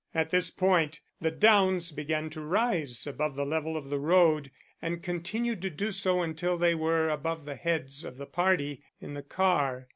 At this point the downs began to rise above the level of the road, and continued to do so until they were above the heads of the party in the car.